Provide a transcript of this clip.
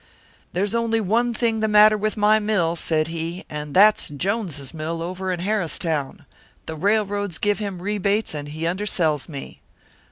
"'There's only one thing the matter with my mill,' said he, 'and that's Jones's mill over in Harristown. The railroads give him rebates, and he undersells me.'